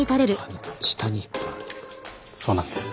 そうなんです。